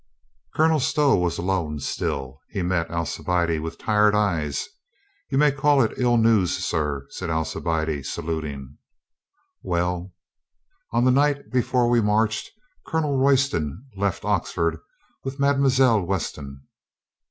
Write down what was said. Colonel Stow was alone still. He met Alcibiade with tired eyes. "You may call it ill news, sir," said Alcibiade, saluting. "Well?" "On the night before we marched Colonel Roy ston left Oxford with Mademoiselle Weston."